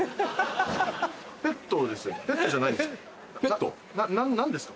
ペットじゃないんですか？